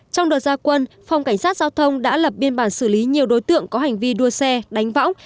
trong đợt gia quân phòng cảnh sát giao thông đã lập biên bản xử lý nhiều đối tượng có hành vi đua xe đánh võng